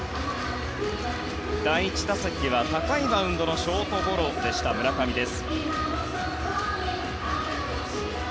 第１打席は高いバウンドのショートゴロでした、村上です。